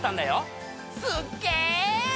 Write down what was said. すっげぇ！